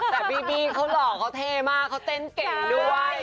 แต่บีบี้เขาหล่อเขาเท่มากเขาเต้นเก่งด้วย